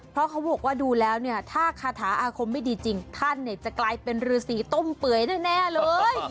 เพราะเขาบอกว่าดูแล้วเนี่ยถ้าคาถาอาคมไม่ดีจริงท่านเนี่ยจะกลายเป็นรือสีต้มเปื่อยแน่เลย